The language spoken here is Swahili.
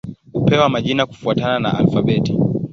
Hupewa majina kufuatana na alfabeti.